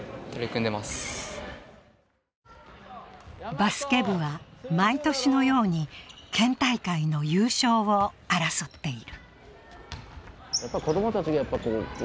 バスケ部は毎年のように県大会の優勝を争っている。